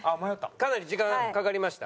かなり時間かかりました？